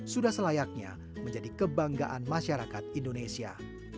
sudah selayaknya menjadi kebanggaan masyarakat indonesia